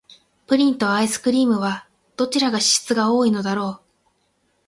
プリンとアイスクリームは、どちらが脂質が多いのだろう。